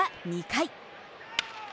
２回。